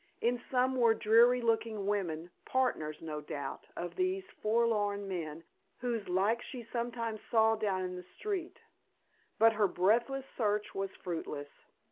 In some were dreary looking women, partners, no doubt, of these forlorn men, whose like she sometimes saw down in the street. But her breathless search was fruitless.